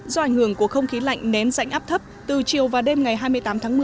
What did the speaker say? do ảnh hưởng của không khí lạnh nén rãnh áp thấp từ chiều và đêm ngày hai mươi tám tháng một mươi